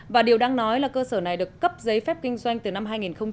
và điều đang nói là cơ sở này được cấp giấy phép kinh doanh từ năm hai nghìn một mươi